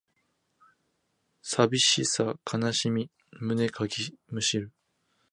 寂しさかみしめ胸かきむしる